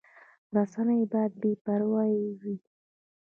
رسنۍ باید بې پرې وي